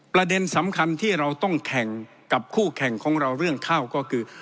ประเด็นสำคัญที่เราต้องแข่งกับคู่แข่งของเราเรื่องข้าวก็คือ